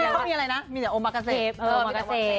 เค้ามีอะไรนะมีเดี๋ยวอ๋อมากาเส